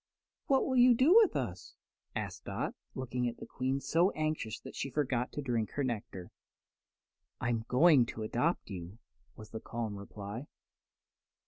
"What will you do with us?" asked Dot, looking at the Queen so anxiously that she forgot to drink her nectar. "I'm going to adopt you," was the calm reply.